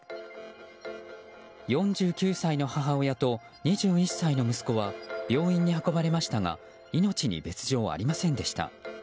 ４９歳の母親と２１歳の息子は病院に運ばれましたが命に別条はありませんでした。